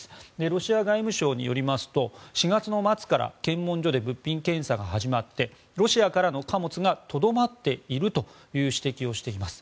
ロシア外務省によりますと４月末から検問所で物品検査が始まってロシアからの貨物がとどまっているという指摘をしています。